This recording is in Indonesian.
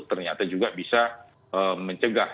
ternyata juga bisa mencegah